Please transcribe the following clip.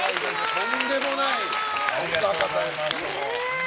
とんでもない、お二方です。